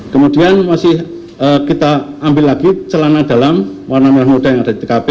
kemudian masih kita ambil lagi celana dalam warna merah muda yang ada di tkp